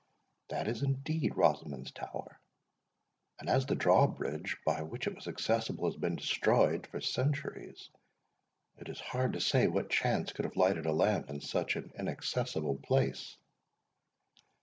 "That is indeed Rosamond's Tower; and as the drawbridge, by which it was accessible has been destroyed for centuries, it is hard to say what chance could have lighted a lamp in such an inaccessible place."